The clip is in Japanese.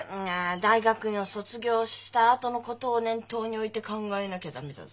「大学を卒業したあとのことを念頭に置いて考えなきゃ駄目だぞ」。